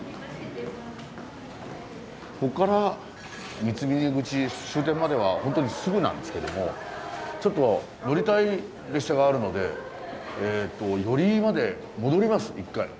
こっから三峰口終点まではホントにすぐなんですけどもちょっと乗りたい列車があるので寄居まで戻ります一回。